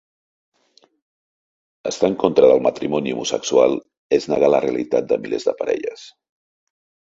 Estar en contra del matrimoni homosexual és negar la realitat de milers de parelles.